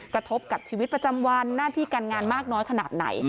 กระทบกับชีวิตประจำวันหน้าที่การงานมากน้อยขนาดไหน